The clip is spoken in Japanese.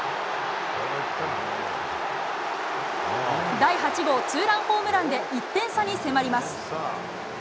第８号ツーランホームランで１点差に迫ります。